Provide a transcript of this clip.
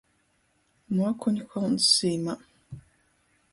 Muokuņkolns zīmā.